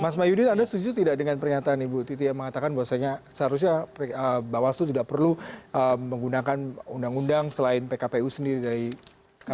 mas mayudit anda setuju tidak dengan pernyataan ibu titi yang mengatakan bahwasannya bawaslu tidak perlu menggunakan undang undang selain pkpu sendiri dari kpu